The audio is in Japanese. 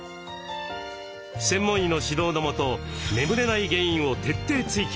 専門医の指導のもと眠れない原因を徹底追究。